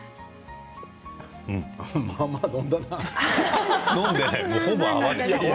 まあまあ飲んどるな。